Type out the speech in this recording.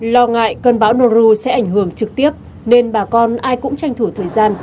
lo ngại cơn bão noru sẽ ảnh hưởng trực tiếp nên bà con ai cũng tranh thủ thời gian